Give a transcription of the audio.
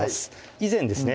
以前ですね